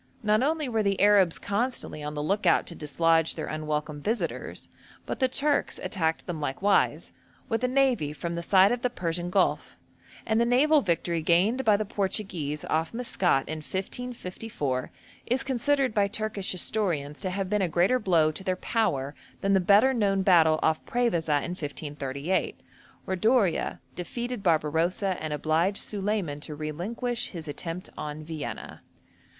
Not only were the Arabs constantly on the look out to dislodge their unwelcome visitors, but the Turks attacked them likewise, with a navy from the side of the Persian Gulf, and the naval victory gained by the Portuguese off Maskat in 1554 is considered by Turkish historians to have been a greater blow to their power than the better known battle off Prevesa in 1538, when D'Oria defeated Barbarossa and obliged Solyman to relinquish his attempt on Vienna.